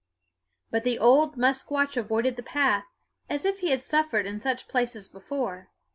But the old musquash avoided the path, as if he had suffered in such places before.